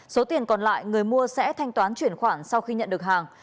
số tiền còn lại người mua sẽ thanh toán chuyển khoản sau khi nhận được hàng